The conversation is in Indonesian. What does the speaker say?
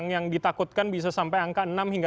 yang ditakutkan bisa sampai angka enam hingga